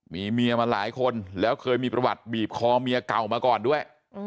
มีเมียมาหลายคนแล้วเคยมีประวัติบีบคอเมียเก่ามาก่อนด้วย